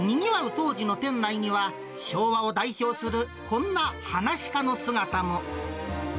当時の店内には昭和を代表するこんなはなし家の姿も。